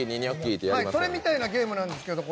それみたいなゲームなんですけど。